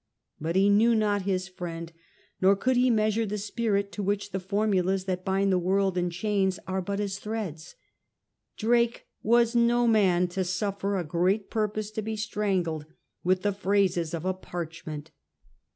But he knew not his friend, nor could he measure the spirit to which the formulas that bind the world in chains are but as threads. Drake was no man to suffer a great purpose to be strangled with the phrases of a parchment.